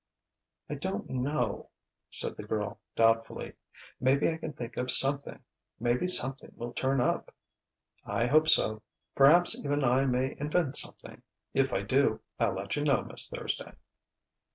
"I don't know," said the girl doubtfully. "Maybe I can think of something maybe something will turn up." "I hope so. Perhaps even I may invent something. If I do, I'll let you know, Miss Thursday."